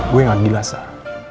gue gak gila sarah